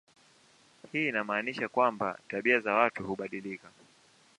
Hii inamaanisha kwamba tabia za watu hubadilika.